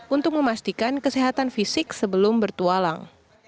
untuk memastikan kesehatan fisik sebelum bertualang